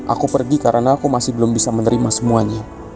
aku pergi karena aku masih belum bisa menerima semuanya